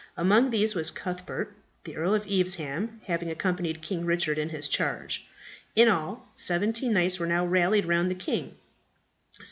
Among these was Cuthbert, the Earl of Evesham having accompanied King Richard in his charge. In all, seventeen knights were now rallied round the king.